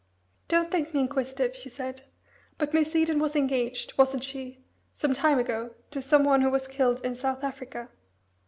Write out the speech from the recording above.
"Don't think me inquisitive," she said, "but Miss Eden was engaged, wasn't she, some time ago, to someone who was killed in South Africa?"